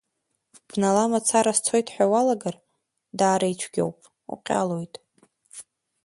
Бнала мацара сцоит ҳәа уалагар, даара ицәгьоуп, уҟьалоит…